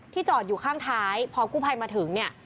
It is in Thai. จอดอยู่ข้างท้ายพอกู้ภัยมาถึงเนี่ย